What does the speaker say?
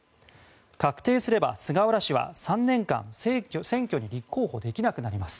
確定すれば、菅原氏は３年間選挙に立候補できなくなります。